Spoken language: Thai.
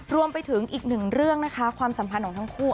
รวมไปถึงอีกหนึ่งเรื่องนะคะความสัมพันธ์ของทั้งคู่